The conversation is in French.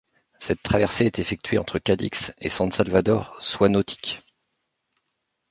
Cette traversée est effectuée entre Cadix et San Salvador, soit nautiques.